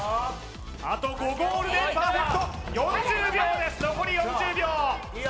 あと５ゴールでパーフェクト４０秒です残り４０秒・いいよ・